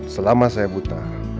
selama saya buta